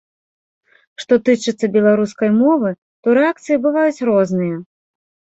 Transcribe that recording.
Што тычыцца беларускай мовы, то рэакцыі бываюць розныя.